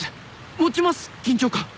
持ちます緊張感。